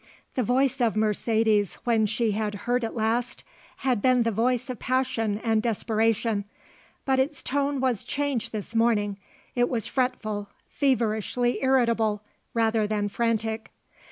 The voice of Mercedes when she had heard it last had been the voice of passion and desperation, but its tone was changed this morning; it was fretful, feverishly irritable, rather than frantic.